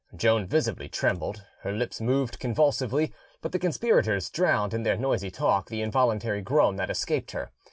Joan visibly trembled, her lips moved convulsively; but the conspirators drowned in their noisy talk the involuntary groan that escaped her.